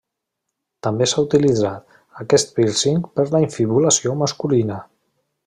També s'ha utilitzat aquest pírcing per la infibulació masculina.